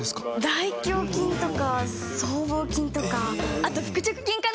大胸筋とか、僧帽筋とか、あと腹直筋かな。